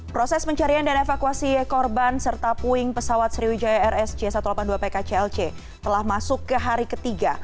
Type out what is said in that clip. proses pencarian dan evakuasi korban serta puing pesawat sriwijaya rsj satu ratus delapan puluh dua pk clc telah masuk ke hari ketiga